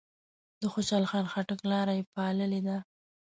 د خوشحال خان خټک لار یې پاللې ده.